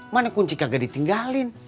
mana kunci kagak ditinggalin